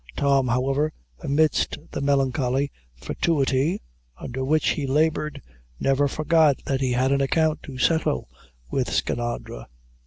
Tom, however, amidst the melancholy fatuity under which he labored, never forgot that he had an account to settle with Skinadre.